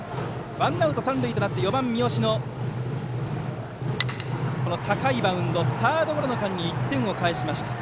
ワンアウト三塁となって４番、三好のサードゴロの間に１点を返しました。